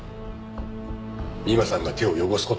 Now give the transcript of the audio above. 美馬さんが手を汚す事はない。